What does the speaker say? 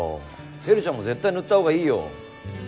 輝ちゃんも絶対塗った方がいいよ。